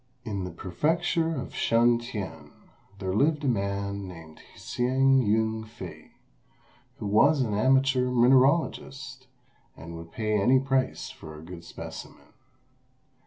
In the prefecture of Shun t'ien there lived a man named Hsing Yün fei, who was an amateur mineralogist and would pay any price for a good specimen.